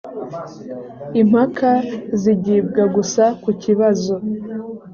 impaka zigibwa gusa ku kibazo